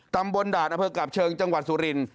ตำบลดานำเพิ่งกลับเชิงจังหวัดสุรินทร์